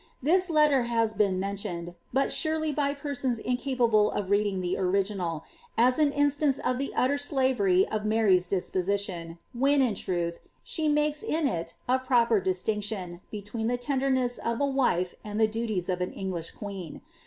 This letter has been menlioneJ (but surely by persons incapable of reading the original) as an instance of the utter slavery of Mary's disposition, when, in truth, she makes in i( u proper distinction,, between the tenderness of a wife and the duties of an English queen.